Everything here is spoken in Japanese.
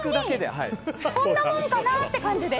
本当にこんなもんかなって感じで。